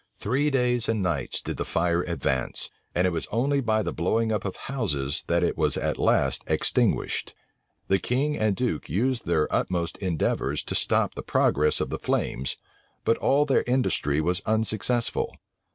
Three days and nights did the fire advance; and it was only by the blowing up of houses that it was at last extinguished. The king and duke used their utmost endeavors to stop the progress of the flames; but all their industry was unsuccessful.